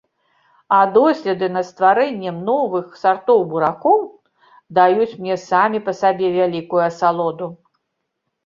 А доследы над стварэннем новых сартоў буракоў даюць мне самі па сабе вялікую асалоду.